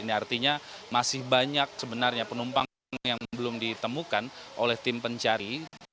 ini artinya masih banyak sebenarnya penumpang yang belum ditemukan oleh tim pencari